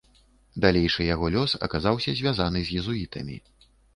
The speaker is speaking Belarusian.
Далейшы яго лёс аказаўся звязаны з езуітамі.